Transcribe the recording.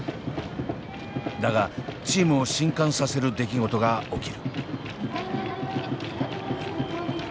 だがチームを震撼させる出来事が起きる。